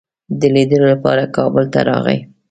د لیدلو لپاره کابل ته راغی.